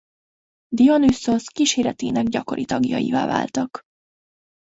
Dionüszosz kíséretének gyakori tagjaivá váltak.